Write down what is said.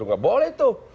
nggak boleh tuh